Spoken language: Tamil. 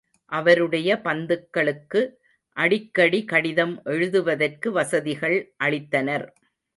அருவடைய பந்துக்களுக்கு அடிக்கடி கடிதம் எழுதுவதற்கு வசதிகள் அளித்தனர்.